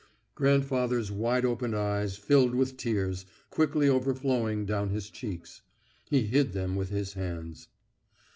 Grandfather's wide open eyes filled with tears, quickly overflowing down his cheeks. He hid them with his hands.